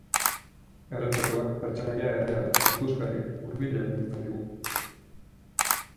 Erretratuak pertsonaia erreala, ikusgarria, hurbila bihurtzen digu.